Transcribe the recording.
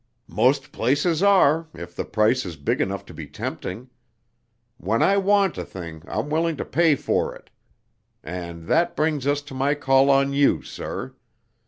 "Most places are, if the price is big enough to be tempting. When I want a thing I'm willing to pay for it. And that brings us to my call on you, sir.